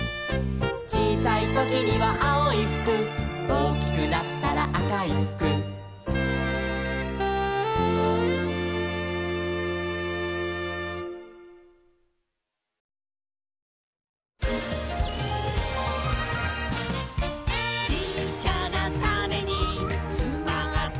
「ちいさいときにはあおいふく」「おおきくなったらあかいふく」「ちっちゃなタネにつまってるんだ」